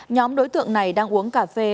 nhóm đối tượng này đang uống cà phê